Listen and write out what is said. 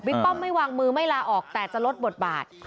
ป้อมไม่วางมือไม่ลาออกแต่จะลดบทบาท